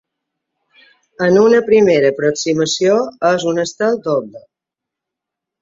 En una primera aproximació és un estel doble.